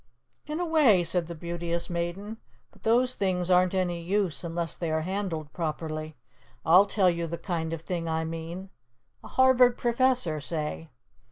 "In a way," said the Beauteous Maiden. "But those things aren't any use unless they are handled properly. I'll tell you the kind of thing I mean, a Harvard professor, say.